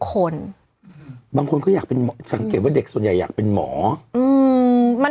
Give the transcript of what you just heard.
คนบางคนก็อยากเป็นสังเกตว่าเด็กส่วนใหญ่อยากเป็นหมออืมมัน